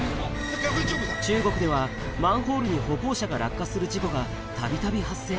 中国では、マンホールに歩行者が落下する事故がたびたび発生。